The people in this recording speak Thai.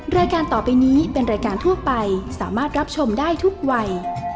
รายการต่อไปนี้เป็นรายการทั่วไปสามารถรับชมได้ทุกวัย